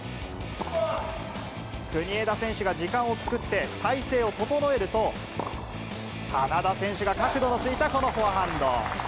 国枝選手が時間を作って、体勢を整えると、眞田選手が角度のついたこのフォアハンド。